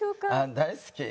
大好き。